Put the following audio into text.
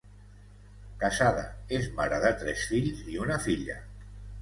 Casada, és mare de tres fills i una filla.